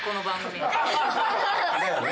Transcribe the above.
だよね。